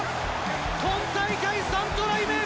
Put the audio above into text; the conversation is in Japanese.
今大会３トライ目！